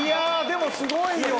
でもすごいよ！